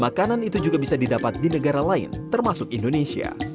makanan itu juga bisa didapat di negara lain termasuk indonesia